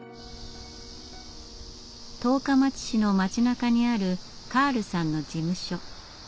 十日町市の町なかにあるカールさんの事務所。